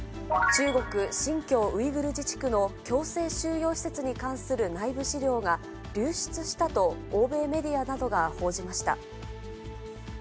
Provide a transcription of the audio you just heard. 中国・新疆ウイグル自治区の強制収容施設に関する内部資料が、流出したと欧米メディアなどが報じました。